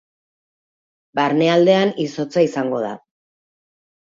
Barnealdean izotza izango da.